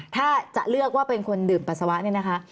ถ้าจะเลือกว่าเป็นคนดื่มปัสสาวะเนี่ยนะคะ